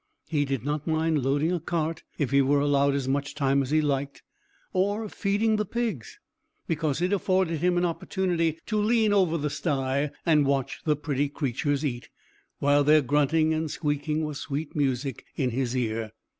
He did not mind loading a cart, if he were allowed as much time as he liked, or feeding the pigs, because it afforded him an opportunity to lean over the sty and watch the pretty creatures eat, while their grunting and squeaking was sweet music in his ear.